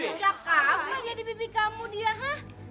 dia gak kabar ya di bibi kamu dia hah